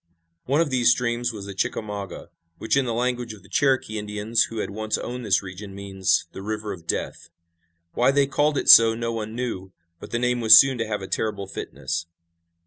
One of these streams was the Chickamauga, which in the language of the Cherokee Indians who had once owned this region means "the river of death." Why they called it so no one knew, but the name was soon to have a terrible fitness.